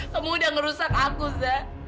kamu udah ngerusak aku zah